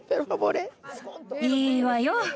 いいわよ。